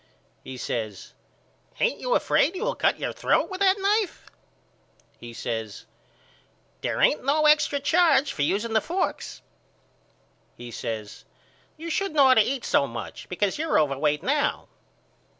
He says Ain't you afraid you will cut your throat with that knife. He says There ain't no extra charge for using the forks. He says You shouldn't ought to eat so much because you're overweight now.